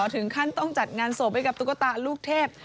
ถึงขั้นต้องจัดงานศพให้กับตุ๊กตาลูกเทพ